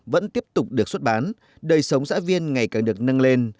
vẫn tiếp tục được xuất bán đời sống xã viên ngày càng được nâng lên